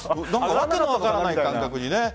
訳の分からない感覚に。